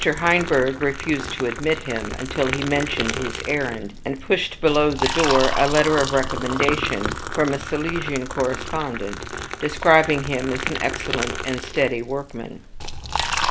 Heinberg refused to admit him, until he mentioned his errand, and pushed below the door a letter of recommendation from a Silesian correspondent, describing him as an excellent and steady workman.